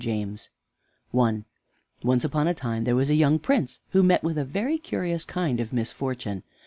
JAMES I Once upon a time there was a young Prince who met with a very curious kind of misfortune.